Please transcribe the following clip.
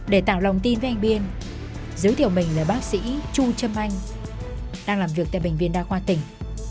để tạo lòng tin với anh biên giới thiệu mình là bác sĩ chu trâm anh đang làm việc tại bệnh viện đa khoa tỉnh